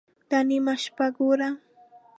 _دا نيمه شپه ګوره!